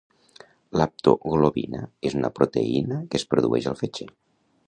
L'haptoglobina és una proteïna que es produeix al fetge